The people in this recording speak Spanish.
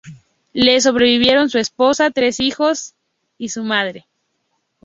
Le sobrevivieron su esposa, tres hijos y su madre.